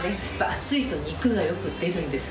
暑いと肉がよく出るんですけど。